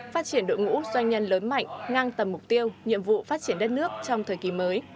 phát triển đội ngũ doanh nhân lớn mạnh ngang tầm mục tiêu nhiệm vụ phát triển đất nước trong thời kỳ mới